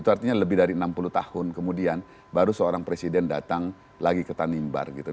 itu artinya lebih dari enam puluh tahun kemudian baru seorang presiden datang lagi ke tanimbar gitu